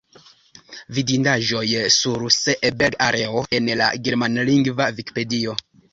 Vidindaĵoj sur Seeberg-areo en la germanlingva Vikipedio.